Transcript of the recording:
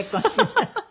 ハハハハ。